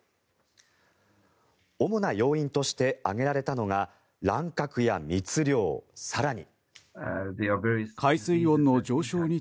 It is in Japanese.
主な要因として挙げられたのが乱獲や密漁、更に。